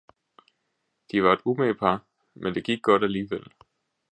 De var en umage par, men det gik godt alligevel.